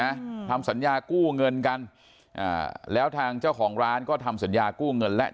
อืมทำสัญญากู้เงินกันอ่าแล้วทางเจ้าของร้านก็ทำสัญญากู้เงินและ